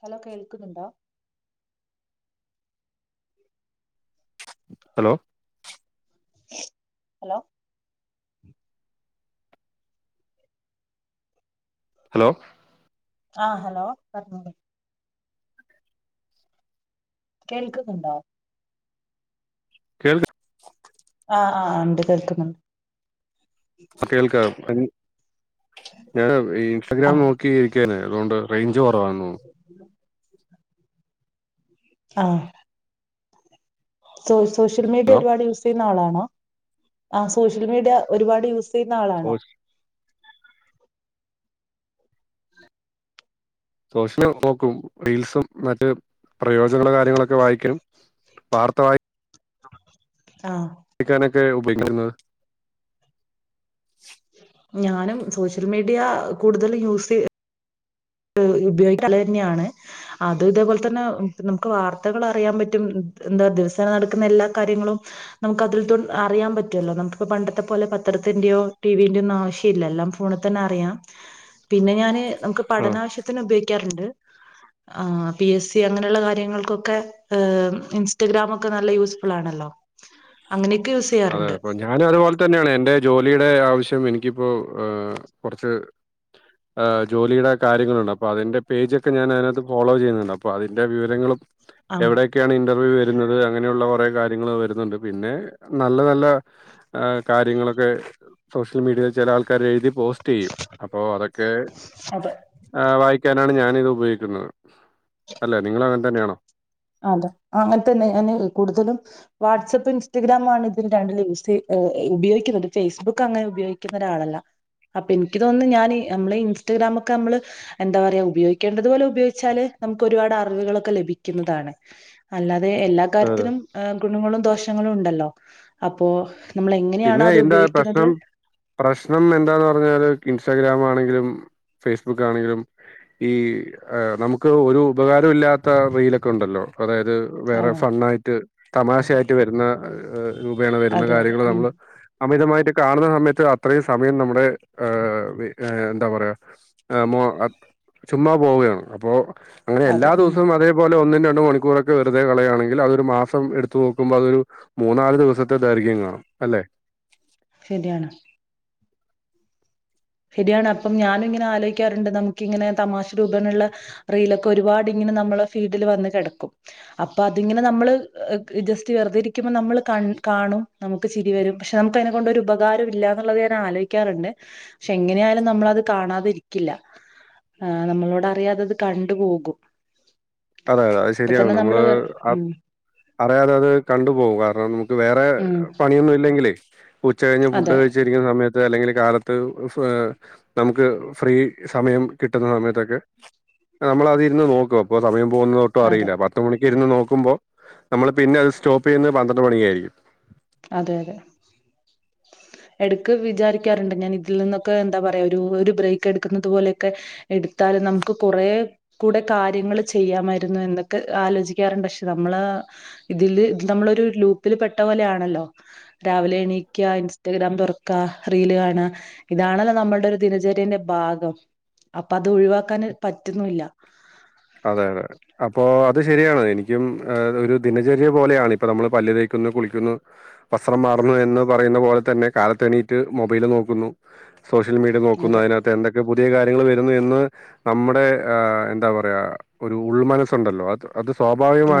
Hello കേൾക്കുന്നുണ്ടോ hello hello hello ആഹ hello പറഞ്ഞോളൂ കേൾക്കുന്നുണ്ടോ കേൾക്ക് ആ ആ ഉണ്ട് കേൾക്കുന്നുണ്ട് കേൾക്കാം ഞാന് ഇൻസ്റ്റാഗ്രാം ആഹ് നോക്കി ഇരിക്കാന് അതുകൊണ്ട് റേഞ്ച് കുറവാന്നൊന്നുന്നു ആ സോ സോഷ്യൽ മീഡിയ ഹലോ ഒരുപാട് യൂസ് ചെയ്യുന്ന ആളാ ഹലോ ആ സോഷ്യൽമീഡിയ ഒരുപാട് യൂസ് ചെയ്യുന്ന ആളാണോ [unintelligible] [unintelligible] സോഷ്യല് നോക്കും റീൽസും മറ്റ് പ്രയോജനങ്ങളും കാര്യങ്ങളൊക്കെ വായിക്കും വാർത്ത വായി ആ ഒക്കെ ഉപയോഗിക്കുന്നത് ഞാനും സോഷ്യൽ മീഡിയ കൂടുതൽ യൂസ് ചെയ [unintelligible] ഉപയോഗിക്കല് തന്നെയാണ് അത് ഇതേപോലെ തന്നെ നമുക്ക് വാർത്തകൾ അറിയാൻ പറ്റും എന്താ ദിവസേന നടക്കുന്ന എല്ലാ കാര്യങ്ങളും നമുക്ക് അതിൽ അറിയാൻ പറ്റുമല്ലോ നമുക്കിപ്പോ പണ്ടത്തെ പോലെ പത്രത്തിന്റെയോ ടിവിന്റെയോ ഒന്നും ആവശ്യം ഇല്ല എല്ലാം ഫോണിൽ തന്നെ അറിയാം പിന്നെ ഞാാന് ആ പഠനാവശ്യത്തിന് ഉപയോഗിക്കാറ്ണ്ട് ആ പി എസ് സി അങ്ങനെയുള്ള കാര്യങ്ങൾക്കൊക്കെ, ഈഹ് ഇൻസ്റ്റാഗ്രാം ഒക്കെ നല്ല യൂസ്ഫുൾ ആണല്ലോ? അങ്ങനെയൊക്കെ യൂസ് അതെ ചെയ്യാറുണ്ട് അപ്പൊ ഞാനും അതുപോലെ തന്നെയാണ്, എന്റെ ജോലിയും ടെ ആവശ്യം എനിക്കിപ്പോ ഈഹ് കൊറച്ച് ഈഹ് ജോലിയുടെ കാര്യങ്ങളുണ്ട്. അപ്പൊ അതിന്റെ പേജൊക്കെ ഞാൻ അതിനകത്ത് ഫോളോ ചെയ്യുന്നുണ്ട്. അപ്പൊ അതിന്റെ വിവരങ്ങളും ആ എവിടെയൊക്കെയാണ് ഇന്റർവ്യൂ വ ര്ന്നത് അങ്ങനെയുള്ള കൊറേ കാര്യങ്ങള് വര്ന്നുണ്ട്. പിന്നെ നല്ല നല്ല കാര്യങ്ങളൊക്കെ സോഷ്- [unintelligible] ചില ആൾകാർ എഴുതി പോസ്റ്റ്‌ ചെയ്യും. അപ്പൊ അതൊക്കെ അതെ വായിക്കാൻ തിനാണ് ഞാനിത് ഉപയോഗിക്കുന്നത്. അല്ല നിങ്ങൾ അങ്ങനെ തന്നെയാണോ? അതെ. അങ്ങനെ തന്നെ ഞാന് കൂടുതലും വാട്സാപ്പ് ഇൻസ്റ്റഗ്രാമാണ് ഇതില് രണ്ടില് യൂസ് ഈഹ് ഉപയോഗിക്കുന്നത്. ഫേസ്ബുക്ക് അങ്ങനെ ഉപയോഗിക്കുന്ന ഒരാളല്ല. അപ്പൊ ഇനിക്ക് തോന്ന്ന്ന് ഞാന് നമ്മള് ഇൻസ്റ്റഗ്രാമൊക്കെ നമ്മള് എന്താ പറയാ ഉപയോഗിക്കേണ്ടതു പോലെ ഉപയോഗിച്ചാല് നമുക്ക് ഒരുപാട് അറിവുകളൊക്കെ ലഭിക്കുന്ന താണ്. അല്ലാ അതെ എല്ലാ അതെ. കാര്യത്തിലും ഈഹ് ഗുണങ്ങളും ദോഷ പ്രശ്നങ്ങളും ഉണ്ടല്ലോ? അപ്പോ നമ്മൾ എങ്ങനെയാണോ പിന്നെ അത് എന്താ ഉപയോഗിക്കുന്നത് പ്രശ്നം, പ്രശ്നം എന്താന്ന് പറഞ്ഞാല് ഇൻസ്റ്റാഗ്രാമാ മാണെങ്കിലും ഫേസ്ബുക്കാണെങ്കിലും ഈ ആ നമുക്ക് ഒരു ഉപകാരം ഇല്ലാത്ത റീലൊക്കെ ഉണ്ടല്ലോ? അതായത് ആ വേറെ ഫണ്ണായിട്ട് തമാശയായിട്ട് വര്ന്ന ഏഹ് രൂപേണ വര്ന്ന അതെ അതെ കാര്യങ്ങള് ഉം നമ്മള് അമിതമായിട്ട് കാണുന്ന സമയത്ത് അത്രയും സമയം നമ്മുടെ, ആഹ് എന്താ പറയാ, മോ ചുമ്മാ പോവുകയാണ്. അപ്പോ അങ്ങനെ എല്ലാ അതെ ഉം ദിവസവും അതേപോലെ ഒന്നിന് രണ്ട് മണിക്കൂറൊക്കെ വെറുതെ കളയാണെങ്കിൽ അതൊരു മാസം എടുത്തു നോക്കുമ്പോ അതൊരു മൂന്നാല് ദിവസത്തെ ദൈർഘ്യം കാണും അല്ലേ? ശരിയാണ് ശരിയാണ്. അപ്പം ഞാനും ഇങ്ങനെ ആലോചിക്കാറുണ്ട് നമുക്കിങ്ങനെ തമാശ രൂപേണള്ള റീലൊക്കെ ഒരുപാടിങ്ങനെ നമ്മളെ ഫീഡില് വന്ന് കിടക്കും. അപ്പൊ അതിങ്ങനെ നമ്മൾ ജസ്റ്റ് വെറുതെ ഇരിക്കുമ്പോൾ നമ്മള് കൺ കാണും, നമുക്ക് ചിരി വരും. പക്ഷെ നമുക്ക് അതിനെ കൊണ്ടൊരു ഉപകാരം ഇല്ലാന്നുള്ളത് ഞാൻ ആലോചിക്കാറ്ണ്ട്. പക്ഷെ എങ്ങനെയായാലും നമ്മളത് കാണാതിരിക്കില്ല. ആ നമ്മളോട് അറിയാതെത് കണ്ട് പോകും. അതെ അതെ അത് ഇപ്പൊ ശരിയാണ് തന്നെ നമ്മള് വേറെ- ഉം അറിയാതെ അത് കണ്ട് പോവും. കാരണം, നമുക്ക് വേറെ ഉം പണിയൊന്നും ഇല്ലെങ്കിലേ ഉച്ച കഴിഞ്ഞ് ഫുഡ് അതെ കഴിച്ചിരിക്കുന്ന സമയത് അല്ലെങ്കില് കാലത്ത് ഈഹ് നമുക്ക് ഫ്രീ സമയം കിട്ടുന്ന സമയത്തൊക്കെ നമ്മളതിരുന്ന് നോക്കും അപ്പോ സമയം പോകുന്നതൊട്ടും അതെ അറിയില്ല. പത്ത് മണി ഇര്ന്ന് നോക്കുമ്പോ നമ്മള് പിന്നെ അത് സ്റ്റോപ്പ് ചെയ്യ്ന്നത് പന്ത്രണ്ട് മണിക്കായിരിക്കും. അതെ അതെ. എടക്ക് വിചാരിക്കാറ്ണ്ട് ഞാൻ ഇതിൽ നിന്നൊക്കെ എന്താ പറയാ ഒരു ഒരു ബ്രേക്ക് എടുക്കുന്നത് പോലെയൊക്കെ എടുത്താല് നമുക്ക് കുറേ കൂടെ കാര്യങ്ങള് ചെയ്യാമായിരുന്നു എന്നൊക്കെ ആലോചിക്കാറുണ്ട്. പക്ഷെ നമ്മള് ഇതില് നമ്മളൊരു ലൂപ്പിൽ പെട്ട പോലെയാ ണല്ലോ? രാവിലെ എണീക്കാ, ഇൻസ്റ്റഗ്രാം തുറക്കാ, റീല് കാണാ, ഇതാണല്ലോ നമ്മൾടെ ഒരു ദിനചര്യന്റെ ഭാഗം. അപ്പ അതൊഴിവാക്കാന് പറ്റ്ന്നൂല്ല. അതെ അതെ അപ്പൊ അത് ശരിയാണ്. എനിക്കും ഏഹ് ഒരു ദിനചര്യ പോലെയാണ്. ഇപ്പൊ നമ്മള് പല്ല് തേക്കുന്നു, കുളിക്കുന്നു, വസ്ത്രം മാറുന്നു എന്ന് പറയുന്ന പോലെ തന്നെ കാലത്തെ എണീറ്റ് മൊബൈല് നോക്കുന്നു. സോഷ്യൽ മീഡിയ നോക്കുന്നു. അതെ അതിനാത്ത് എന്തൊക്കെ പുതിയ കാര്യങ്ങൾ വരുന്നു എന്ന് നമ്മടെ ആഹ് എന്താവാ യാ ഒരു ഉൾമനസ്സു ഉണ്ടല്ലോ അത് അത്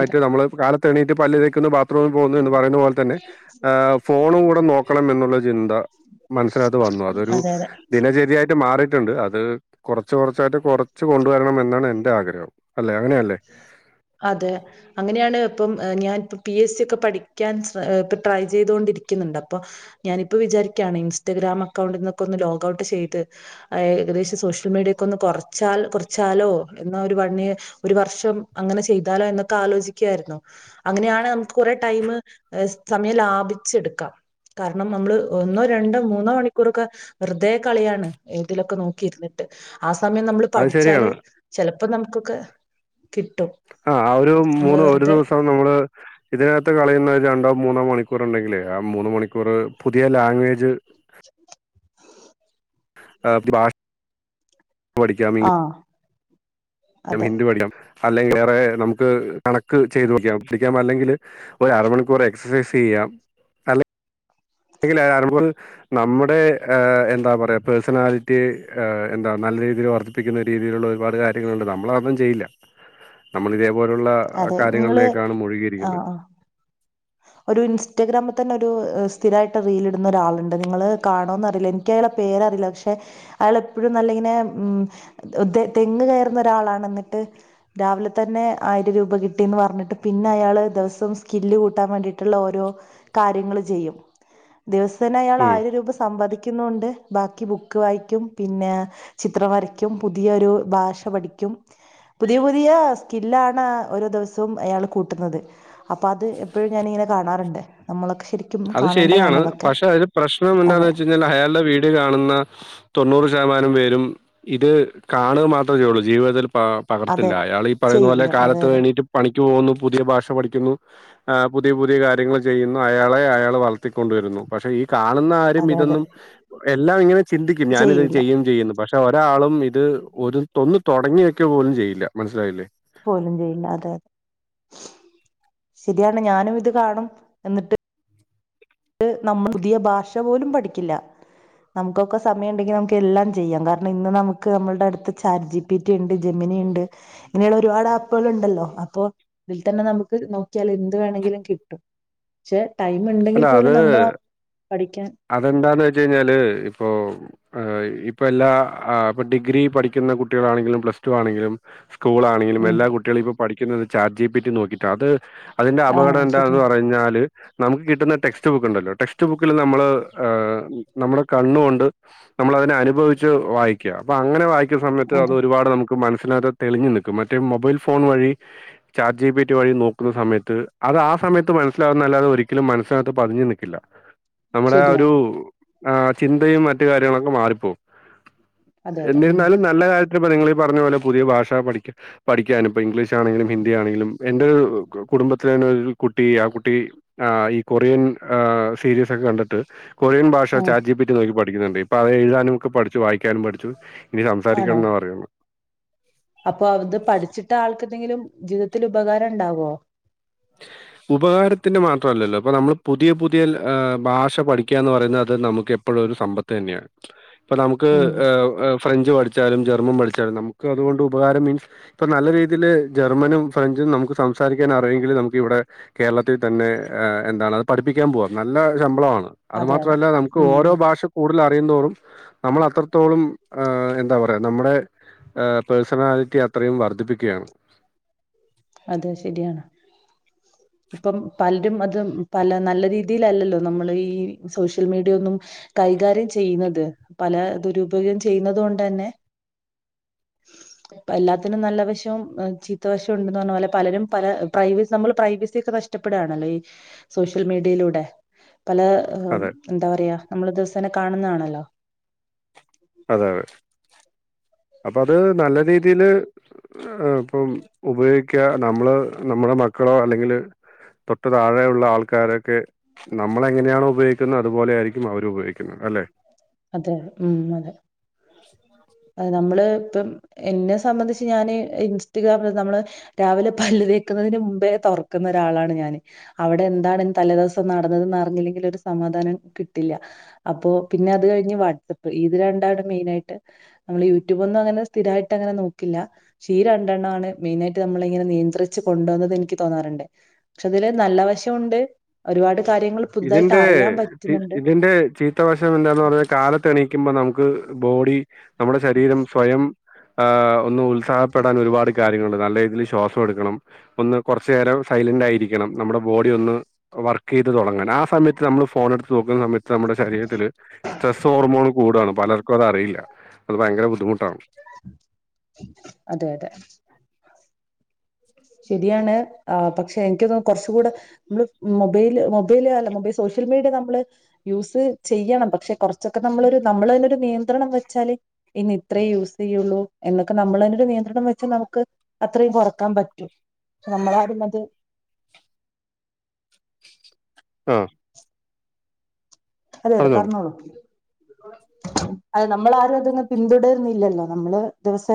അതെ നമ്മള് കാല എണീറ്റ് പല്ല്തെ നിക്കുന്ന് ബാത്റൂമിൽ പോന്നു എന്ന് പറയുന്ന പോൽ തന്നെ ഫോണും കൂടെ നോക്കണം എന്നുള്ള ചിന്ത മനസ്സിനാത്ത് വന്നു അതൊരു അതെ അതെ ദിനചര്യായിട്ട് മാറിയിട്ടുണ്ട് അത് അത് കുറച്ച് കുറച്ചായിട്ട് കൊറച്ച് കൊണ്ടുവരണം എന്ന് എന്റെ ആഗ്രഹം അല്ലെ അങ്ങനെയല്ലേ അതെ അങ്ങനെയാണ് ഇപ്പം ഞാനൻപ്പ പി എസ് സി ഒക്കെ പഠിക്കാൻ ഇപ്പ ട്രൈ ചെയ്തൊണ്ടിരിക്കുന്നുണ്ട് അപ്പൊ ഞാനിപ്പോ വിചാരിക്കുകയാണ് ഇൻസ്റ്റാഗ്രാം അക്കൗണ്ടിൽ നിന്നൊക്കെ ഒന്ന് ലോഗഔട്ട് ചെയ്ത് ഏകദേശം സോഷ്യൽ മീഡിയക്കൊ ഒന്ന് കുറ ച്ചാൽ കുറച്ചാലോ എന്നാ ഒരു പണി ഒരു വർഷം അങ്ങനെ ചെയ്താലോ എന്നൊക്കെ ആലോചിക്കായിരുന്നു അങ്ങനെയാണ് നമുക്ക് കുറെ ടൈമ സമയം ലാഭിച്ചെടുക്കാം കാരണം നമ്മൾ ഒന്നോ രണ്ടോ മൂന്നോ മണിക്കൂറൊക്കെ വെറുതെ കളിയാണ് ഇതിലൊക്കെ നോക്കിയിരുന്നിട്ട് ആ സമയം നമ്മൾ അത് പഠിച്ചാല് ശരിയാണ് ചെലപ്പോ നമുക്കൊക്കെ കിട്ടും ആഹ് ആ ഒരു നമ്മള് മൂന്ന് ഒരു വെറുതെ ദിവസം നമ്മള് ഇതിനകത്ത് കളിയുന്ന രണ്ടോ മൂന്നാം മണിക്കൂർ ഉണ്ടെങ്കിലേ ആ മൂന്ന മണിക്കൂർ പുതിയ ലാംഗ്വേജ് ആഹ് ബാഷ് പഠിക്കാമീ ആഹ് അതെ [unintelligible] അല്ലെങ്കിൽ വേറെ നമുക്ക് കണക്ക് ചെയ്ത് [unintelligible] അല്ലെങ്കിൽ ഒരു അര മണിക്കൂർ എക്സസൈസ് ചെയ്യാം അല്ലെ [unintelligible] നമ്മുടെ എന്താ പറയാ പേഴ്സണാലിറ്റി എന്താ നല്ല രീതിയിൽ വർദ്ധിപ്പിക്കുന്ന രീതിയിലുള്ള ഒരുപാട് കാര്യങ്ങളുണ്ട് നമ്മള തൊന്നും ചെയ്യില്ല നമ്മള് ഇത അതെ നിങ്ങള് ആഹ് ഒരു ഇൻസ്റ്റഗ്രാം തന്നെ ഒരു സ്ഥിരമായിട്ട് റീലിടുന്ന ഒരാളുണ്ട് നിങ്ങൾ കാണോന്ന് അറിയില്ല എനിക്ക് അയാളെ പേരറിയില്ല പക്ഷെ അയാൾ എപ്പോഴും നല്ല ഇങ്ങനെ ഉം തെങ്ങ് കയറുന്ന ഒരാളാണ് എന്നിട്ട് രാവിലെ തന്നെ ആയിരം രൂപ കിട്ടിയന്ന് പറഞ്ഞിട്ട് പിന്നെ അയാള് ദിവസം സ്കില്ല് കൂട്ടൻ വേണ്ടിട്ടുള്ള ഓരോ കാര്യങ്ങള് ചെയ്യും ദിവസ ന്നെ അയാൾ ഉം ആയിരം രൂപ സമ്പാദി [unintelligible] ബാക്കി ബുക്ക് വായിക്കും പിന്നെ ചിത്രം വരക്കും പുതിയ ഒരു ഭാഷ പഠിക്കും പുതിയ പുതിയ സ്കി ഇല്ലാണ് ഓരോ ദിവസവും അയാൾ കൂട്ടുന്നത് അപ്പോൾ അത് എപ്പോഴും ഞാനിങ്ങനെ കാണാറുണ്ട് നമ്മളൊക്കെ ശരിക്കും അത് കാണേണ്ടതാണ് ശരിയാണ് അതൊക്കെ പക്ഷെ അതില് പ്രശ്നം എന്താന്ന് അതെ വെച്ച് കഴിഞ്ഞാൽ അയാളുടെ വീട് കാണുന്ന തൊണ്ണൂറ് ശതമാനം പേരും ഇത് കാണുക മാത് ള്ളൂ ജീവിതത്തിൽ പകർത്തില്ല അതെ അയാള് ഈ പറയുന്ന പോലെ ചെയ്യില്ല അതെ കാലത്ത് എണീറ്റ് അതെ വേണ്ടിയിട്ട് പണിക്ക് പോകുന്നു. പുതിയ ഭാഷ പഠിക്കുന്നു ആ പുതിയ പുതിയ കാര്യങ്ങൾ ചെയ്യുന്നു അയാളെ യാൾ വളർത്തിക്കൊണ്ടു വരുന്നു പക്ഷേ ഈ കാണുന്ന ആരും അതെ അതെ ഇതൊന്നും എല്ലാം ഇങ്ങനെ ചിന്തിക്കും ഞാനിത് ചെയ്യില്ല ചെയ്യും ചെയ്യുന്ന് പക്ഷെ പെ ഒരാളും ഇത് ഒരു തൊന്നു തുടങ്ങി വെക്കാ പോലും ചെയ്യില്ല മനസ്സിലായില്ലേ. പോലും ചെയ്യില്ല അതെ. ശരിയാണ് ഞാനും ഇത് കാണും എന്നിട്ട് നമ്മൾ പുതിയ ഭാഷ പോലും പഠിക്കില്ല നമുക്കൊക്കെ സമയം ഉണ്ടെങ്കിൽ നമുക്ക് എല്ലാം ചെയ്യാം കാരണം ഇന്ന് നമുക്ക് നമ്മളുടെ അടുത്ത് ചാറ്റ് ജി പി ടി ഉണ്ട് ജെമിനി ഉണ്ട് ഇങ്ങനെയുള്ള ഒരുപാട് ആപ്പുകൾ ഉണ്ടല്ലോ അപ്പൊ ഇതിൽ തന്നെ നമുക്ക് നോക്കിയാൽ എന്ത് വേണമെങ്കിലും കിട്ടും പക്ഷെ ടൈമ്ണ്ടെങ്കിൽ ത് അതെന്താന്ന് വെച്ച കഴിഞ്ഞാല് ഇപ്പൊ ഈ ഇപ്പ എല്ലാ ഇപ്പൊ ഡിഗ്രി പഠിക്കുന്ന കുട്ടികളാണെങ്കിലും പ്ലസ് ടു ആണെങ്കിലും. സ്കൂളണെങ്കിലും ഉം എല്ലാം കുട്ടികളിപ്പ പഠി ന്നത് ചാറ്റ് ജി പി ടി നോക്കിട്ടാ അത് അതിൻന്റെ ആഹ് അപകടം എന്താന്ന് ശരിയാണ് പറഞ്ഞാല് നമുക്ക് കിട്ടുന്ന ടെക്സ്റ്റ് ബുക്ക്. ഇണ്ടല്ലോ ടെക്സ്റ്റ് ബുക്കിൽ നമ്മള് നമ്മുടെ കണ്ണ് കൊണ്ട് നമ്മളതിനെ അനുഭവിച്ച് വായിക്കുക അപ്പ അങ്ങനെ വായി സമയത്ത് അതെ അത്പാട് നമുക്ക് മനസ് മനസ്സിനകത്ത് തെളിഞ്ഞു നിൽക്കും മറ്റേ മൊബൈൽ ഫോൺ വഴി ചാറ്റ് ജി പിറ്റി വഴി നോക്കുന്ന സമയത്ത് അത് ആ സമയത്ത് മനസ്സിലാകുന്ന അല്ലാതെ ഒരിക്കലും മനസ്സിനകത്ത് പതിഞ്ഞു നിൽക്കില്ല നമ്മുടെ ആ ഒരു ശരിയാണ് ആ ചിന്തയും മറ്റു കാര്യങ്ങളൊക്കെ മാറി പോവും അതെ അതെ ഉം എന്നിരുന്നാലും നല്ല കാര്യ ഇപ്പോ നിങ്ങളീ പറഞ്ഞ പോലെ പുതിയ ഭാഷ പഠിക്ക പഠിക്കാനും ഇപ്പ ഇംഗ്ലീഷ് ആണെലും ഹിന്ദി ആണെലും എന്റെ ഒരു കുടുംബത്തിലന്നെ ഒരു കുട്ടി ആ കുട്ടി ഈ കൊറിയൻ സീരീസ് ഒക്കെ കണ്ടിട്ട് ട്ട് കൊറിയൻ ഭാഷ ഉം ചാറ്റ് ജി പിറ്റി നോക്കി പടി പഠിക്കുന്നുണ്ട് ഇപ്പൊ അവൻ എഴുതാനും ഒക്കെ പഠിച്ചു വായിക്കാനും പഠിച്ചു. ഇനി ആണോ സംസാരിക്കണെന്നാ പറയണ അപ്പൊ അത് പഠിച്ചിട്ട് ആൾക്കെന്തെങ്കിലും ജീവിതത്തിൽ ഉപകാരം ഉണ്ടാവോ ഉപകാരത്തിന്റെ മാത്രല്ലല്ലോ അപ്പൊ നമ്മൾ പുതിയ പുതിയ ഭാഷ പഠിക്കാന്ന് പറയുന്നത് അത് നമുക്ക് എപ്പോഴും ഒരു സമ്പത്ത് തന്നെയാണ് ഇപ്പൊ നമുക്ക് ഉം ഫ്രഞ്ച് പഠിച്ചാലും ജർമ്മൻ പഠിച്ചാലും നമുക്ക് അതുകൊണ്ട് ഉപകാരം മീൻസ് ഇപ്പ നല്ല രീതിയിൽ ജർമ്മനും ഫ്രഞ്ചും നമുക്ക് സംസാരിക്കാൻ അറിയിൻ നമുക്ക് ഇവിടെ കേരളത്തിൽ തന്നെ എന്താണ് അത് പഠിപ്പിക്കാൻ പോവാം നല്ല ശമ്പളമാണ്. അത് അതെ അതെ മാത്രമല്ല നമുക്ക് ഉം ഓരോ ഭാഷ കൂടുതൽ അ അറിയും തോറും നമ്മൾ അത്രത്തോളം എന്താ പറയാ നമ്മുടെ പേഴ്സണാലിറ്റി അത്രയും വർധിപ്പിക്കുകയാണ് അതെ ശരിയാണ് ഇപ്പം പൽ അത് പല നല്ല രീതിൽഅല്ലല്ലോ നമ്മൾ ഈ സോഷ്യൽ മീഡിയ ഒന്നും കൈകാര്യം ചെയ്യുന്നത് പല ദുരുപയോഗം ചെയ്യുന്നത് കൊണ്ട് തന്നെ. എല്ലാത്തിനും നല്ല വശവും ചീത്തവശവും ഉണ്ടന്ന് പറഞ്ഞ പോലെ പലരും പല പ്രൈവസി നമ്മൾ പ്രൈവസി ഒക്കെ നഷ്ടപ്പെടുകയാണല്ലോ ഈ സോഷ്യൽ മീഡിയയിലൂടെ പല അതെ എന്താ പറയാ നമ്മൾ ദിവസേന കാണുന്ന ആണ് ഹലോ അതെ അതെ അപ്പ അത് നല്ല രീതിയില് ഇപ്പം ഉപയോഗിക്കുക നമ്മള് നമ്മുടെ മക്കളോ അല്ലെങ്കില് പ തൊട്ട് താഴെയുള്ള ആൾക്കാരൊക്കെ നമ്മള എങ്ങനെയാണോ ഉപയോഗിക്കുന്നത് അതുപോലെ ആയിരിക്കും അവരു ഉപയോഗിക്കുന്നത് അല്ലെ അതെ ഉം അതെ അ നമ്മള് ഇപ്പം എന്നെ സംബന്ധിച്ച് ഞാന് ഇൻസ്റ്റഗ്രാം നമ്മള് രാവിലെ പളതേക്കുന്നതിന് മുമ്പേ തുറക്കുന്ന ഒരാളാണ് ഞാന് അവിടെ എന്താണ് തലേ ദിവസം നടന്നതെന്ന്റിഞ്ഞില്ലെങ്കിൽ ഒരു സമാധാനം കിട്ടില്ല അപ്പോ പിന്നെ അത് കഴിഞ് വാട്സആപ്പ് ഇത് രണ്ടാണ് മെയിൻ ആയിട്ട് നമ്മൾ യൂട്യൂബ് ഒന്നും അങ്ങനെ സ്ഥിരായിട്ട്ങ്ങനെ നോക്കില്ല പക്ഷെ ഈ രണ്ടെണ്ണംണ് മെയിനായിട്ട് നമ്മള ഇങ്ങനെ നിയന്ത്രിച്ച് കൊണ്ടോന്നത് എനിക്ക് തോന്നാറുണ്ട് പക്ഷെ അതില് നല്ല വശോണ്ട് ഒരുപാട്. കാര്യങ്ങൾ പുതുതായിട്ട് ഇതിന്റെ അറിയാൻ പറ്റുന്നുണ്ട്. ഇതിന്റെ ചീത്തവശം പറ കാലത്ത് എണീക്കുമ്പോ നമുക്ക് നമുക്ക് ബോഡി നമ്മുടെ ശരീരം സ്വയം ആ് ഒന്ന് ഉ സഹപ്പെടാൻ ഒരുപാട് കാര്യങ്ങളണ്ട് നല്ല രീതിയിൽ ശ്വാസം എടുക്കണം ഒന്ന് കുറച്ച നേരം സൈലന്റ് ആയിരിക്കണം നമ്മുടെ ബോഡി ഒന്ന് വർക്ക് ചെയ്ത് തുടങ്ങണം ആ സമയത്ത് നമ്മള് ഫോൺ എടുത്ത് നോക്കുന്ന സമയത്ത് നമ്മുടെ ശരീരത്തില് സ്ട്രെസ്സ് ഹോർമോൺ കൂടയാണ് പലർക്കും അത് അറിയില്ല അത് ഭയങ്കര ബുദ്ിുട്ട് അതെ അതെ ശരിയാണ് പക്ഷെ എനക്ക് കുറച്ച കൂടെ നമ്മള് മൊബൈല് മൊബൈല് അല്ല മൊബൈൽ സോഷ്യൽ മീഡിയ നമ്മള് യൂസ് ചെയ്യണം പക്ഷെ കുറച്ചൊക്കെ നമ്മളൊരു നമ്മൾതിനെ ഒരു നിയന്ത്രണം വെച്ചാല് ഇന്ന് ഇത്രേ യൂസ് ചെയ്യുള്ളൂ എന്നൊക്കെ നമ്മൾതിനെ ഒരു നിയന്ത്രണം വെച്ചാൽ നമുക്ക് അത്രയും കൊറക്കാൻ പറ്റ നമ്മളാടള്ളത് ആഹ [unintelligible] അതെ അതെ പറഞ്ഞോളൂ അതെ നമ്മൾ ആരെ പിന്തുടരുന്നില്ലല്ലോ നമ്മള് ദിവസേ